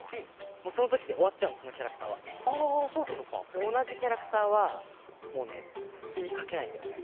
でおなじキャラクターはもうねつぎかけないんだよね。